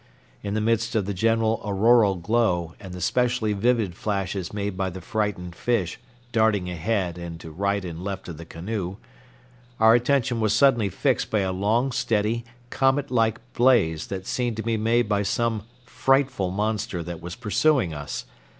In the midst of the general auroral glow and the specially vivid flashes made by the frightened fish darting ahead and to right and left of the canoe, our attention was suddenly fixed by a long, steady, comet like blaze that seemed to be made by some frightful monster that was pursuing us.